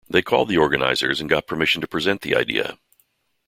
They called the organizers and got permission to present the idea.